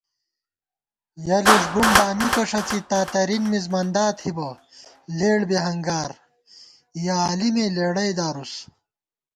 یَہ لِݭ بُم دامِکہ ݭڅی تاترِن مِز مندا تھِبہ لېڑ بی ہنگار یَہ عالِمےلېڑئی دارُس